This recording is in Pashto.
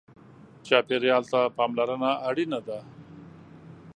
چاپېریال ته پاملرنه اړینه ده.